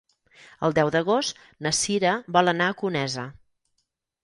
El deu d'agost na Cira vol anar a Conesa.